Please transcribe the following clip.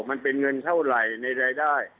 มันเป็นเงินเท่าไหร่ในรายได้